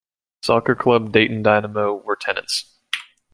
Soccer club Dayton Dynamo were tenants.